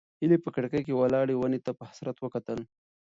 هیلې په کړکۍ کې ولاړې ونې ته په حسرت وکتل.